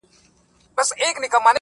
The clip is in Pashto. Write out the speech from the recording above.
پرون دي بيا راڅه خوښي يووړله_